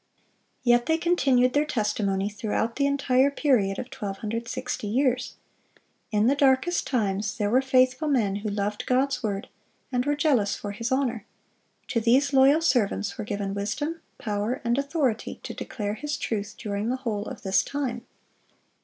Yet they continued their testimony throughout the entire period of 1260 years. In the darkest times there were faithful men who loved God's word, and were jealous for His honor. To these loyal servants were given wisdom, power, and authority to declare His truth during the whole of this time.